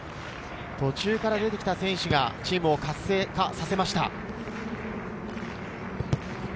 途中から出てきた選手がチームを活性化させました。